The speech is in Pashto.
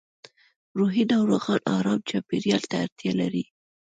روحي ناروغان ارام چاپېریال ته اړتیا لري